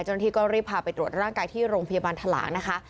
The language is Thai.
เจ้าหน้าที่ก็รีบพาไปตรวจร่างกายที่โรงพยาบาลทะหลางนะคะ